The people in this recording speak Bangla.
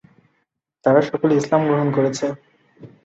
তারা সকলে ইসলাম গ্রহণ করেছে।